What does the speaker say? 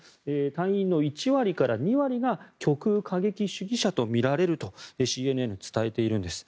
隊員の１割から２割が極右過激主義者とみられるとＣＮＮは伝えているんです。